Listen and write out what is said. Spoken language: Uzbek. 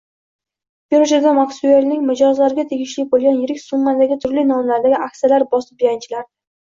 Birjada Maksuelning mijozlariga tegishli bo`lgan yirik summadagi turli nomlardagi aksiyalar bosib-yanchilardi